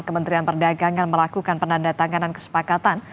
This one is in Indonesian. kementerian perdagangan melakukan penandatanganan kesepakatan